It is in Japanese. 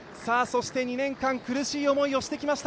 ２年間苦しい思いをしてきました